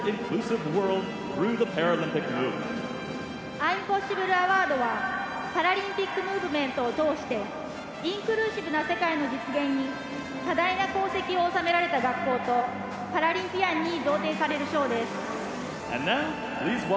アイムポッシブル・アワードはパラリンピックムーブメントを通してインクルーシブな世界の実現に多大な功績を収められた学校とパラリンピアンに贈呈される賞です。